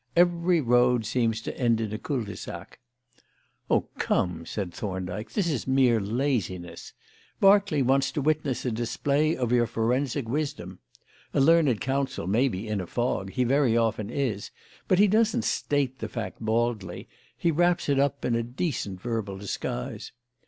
Every road seems to end in a cul de sac." "Oh, come!" said Thorndyke, "this is mere laziness. Berkeley wants to witness a display of your forensic wisdom. A learned counsel may be in a fog he very often is but he doesn't state the fact baldly; he wraps it up in a decent verbal disguise.